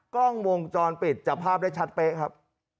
กล้องวงจรปิดจับภาพได้ชัดเป๊ะครับ